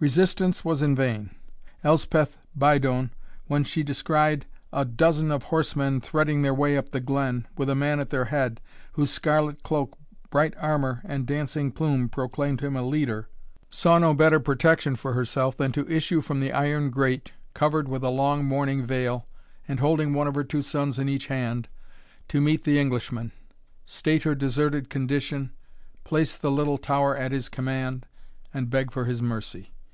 Resistance was in vain. Elspeth Brydone, when she descried a dozen of horsemen threading their way up the glen, with a man at their head, whose scarlet cloak, bright armour, and dancing plume, proclaimed him a leader, saw no better protection for herself than to issue from the iron grate, covered with a long mourning veil, and holding one of her two sons in each hand, to meet the Englishman state her deserted condition place the little tower at his command and beg for his mercy.